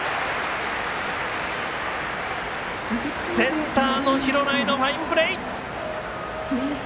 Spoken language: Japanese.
センターの廣内のファインプレー！